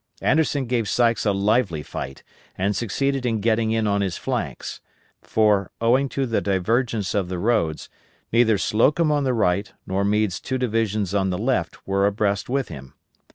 Anderson gave Sykes a lively fight and succeeded in getting in on his flanks; for, owing to the divergence of the roads, neither Slocum on the right nor Meade's two divisions on the left were abreast with him.